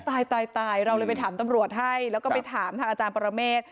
ตายตายเราเลยไปถามตำรวจให้แล้วก็ไปถามทางอาจารย์ปรเมฆ